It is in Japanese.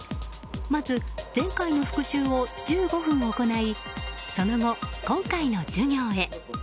まず、前回の復習を１５分行いその後、今回の授業へ。